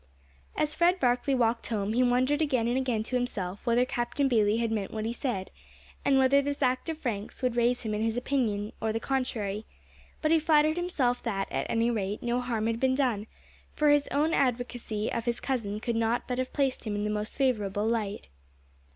As Fred Barkley walked home, he wondered again and again to himself whether Captain Bayley had meant what he said, and whether this act of Frank's would raise him in his opinion or the contrary; but he flattered himself that, at any rate, no harm had been done, for his own advocacy of his cousin could not but have placed him in the most favourable light.